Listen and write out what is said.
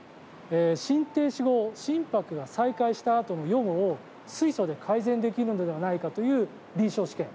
心停止後心拍が再開したあとの予後を水素で改善できるのではないかという臨床試験。